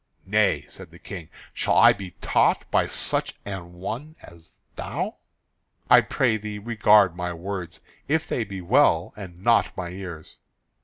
"Nay," said the King; "shall I be taught by such an one as thou?" "I pray thee regard my words, if they be well, and not my years."